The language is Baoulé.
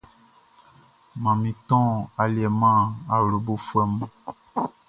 Manmin ton aliɛ man awlobofuɛ mun.